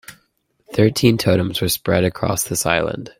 Thirteen totems were spread across this island.